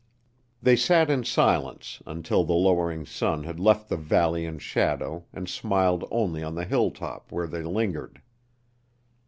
They sat in silence until the lowering sun had left the valley in shadow and smiled only on the hilltop where they lingered.